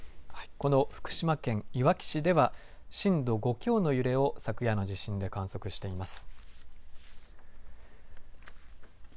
この、福島県いわき市では震度５強の揺れを昨夜の地震で観測しています。